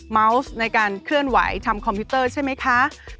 เมาส์ในการเคลื่อนไหวทำคอมพิวเตอร์ใช่ไหมคะ